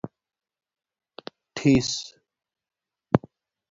ٹھس